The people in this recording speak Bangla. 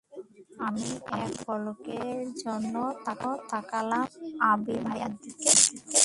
আমি এক পলকের জন্যে তাকালাম আবীর ভাইয়ের দিকে।